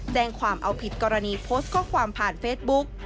แจ้งความเอาผิดกรณีโพสต์ข้อความผ่านเฟซบุ๊ก